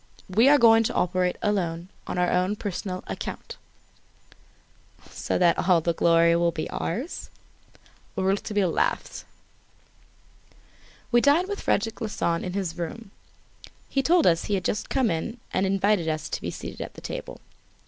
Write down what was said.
We are going to operate alone, on our own personal account." "So that all the glory will be ours?" Rouletabille laughed. We dined with Frederic Larsan in his room. He told us he had just come in and invited us to be seated at table.